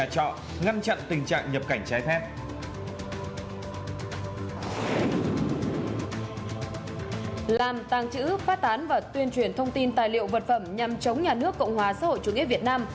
làm tàng trữ phát tán và tuyên truyền thông tin tài liệu vật phẩm nhằm chống nhà nước cộng hòa xã hội chủ nghĩa việt nam